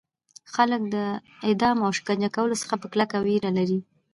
خلک له اعدام او شکنجه کولو څخه په کلکه ویره لري.